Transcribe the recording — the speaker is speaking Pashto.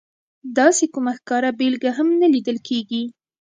داسې کومه ښکاره بېلګه هم نه لیدل کېږي.